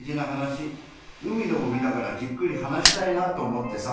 海でもみながらじっくりはなしたいなとおもってさ。